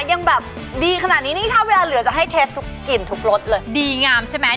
ยังแบบดีขนาดนี้นี่ถ้าเวลาเหลือจะให้เทสทุกกลิ่นทุกรสเลยดีงามใช่ไหม